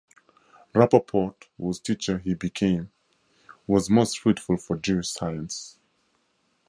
Rapoport, whose teacher he became, was most fruitful for Jewish science.